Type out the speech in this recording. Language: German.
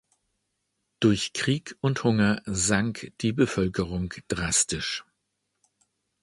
Durch Krieg und Hunger sank die Bevölkerung drastisch.